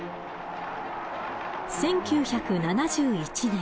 １９７１年